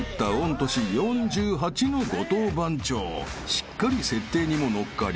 ［しっかり設定にも乗っかり］